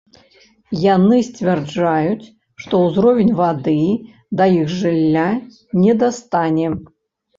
Яны сцвярджаюць, што ўзровень вады да іх жылля не дастане.